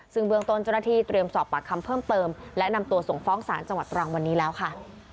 ซึ่งเบื้องต้นเจ้าหน้าที่เตรียมสอบปากคำเพิ่มเติมและนำตัวส่งฟ้องศาลจังหวัดตรังวันนี้แล้วค่ะ